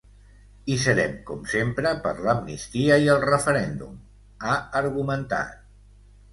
“Hi serem com sempre per l’amnistia i el referèndum”, ha argumentat.